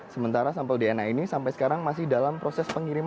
sementara sampel dna ini sampai sekarang masih dalam proses pengiriman